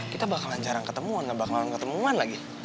kita bakalan jarang ketemuan gak bakalan ketemuan lagi